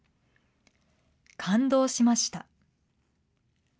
感動しました。